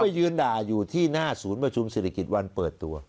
ผมไม่ยืนด่าอยู่ที่หน้าสูงมจภิกษ์วันเปิดตัว